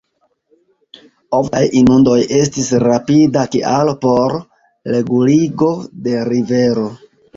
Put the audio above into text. Oftaj inundoj estis rapida kialo por reguligo de rivero.